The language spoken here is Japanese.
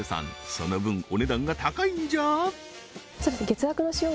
その分お値段が高いんじゃ？